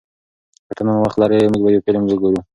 که ته نن وخت لرې، موږ به یو فلم وګورو.